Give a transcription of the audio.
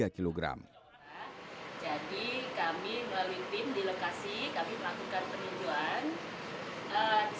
jadi kami melalui tim di lokasi kami melakukan peninjauan